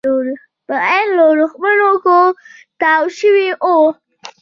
په عین ورېښمو کې تاو شوي وو.